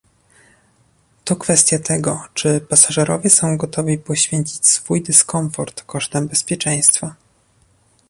To kwestia tego, czy pasażerowie są gotowi poświęcić swój dyskomfort kosztem bezpieczeństwa